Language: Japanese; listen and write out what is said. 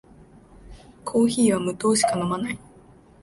コーヒーは無糖しか飲まない